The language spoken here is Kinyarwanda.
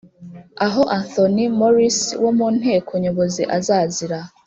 aho Anthony Morris wo mu Nteko Nyobozi azazira